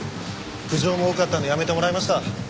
苦情も多かったんで辞めてもらいました。